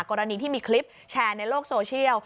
กรณีที่มีคลิปแชร์ในโลกโซเชียล